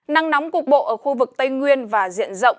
nắng nóng cục bộ ở khu vực tây nguyên và diện rộng